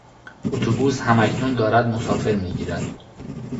اتوبوس هم اکنون دارد مسافر میگیرد.